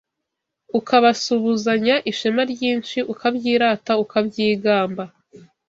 Ukabasubuzanya ishema ryinshi Ukabyirata ukabyigamba